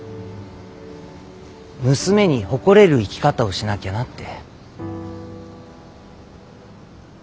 娘に誇れる生き方をしなきゃなって。